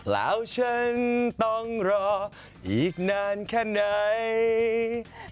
แล้วฉันต้องรออีกนานแค่ไหน